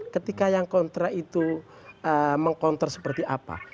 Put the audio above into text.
ketika yang kontra itu meng counter seperti apa